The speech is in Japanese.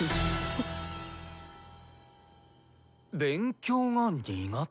⁉勉強が苦手？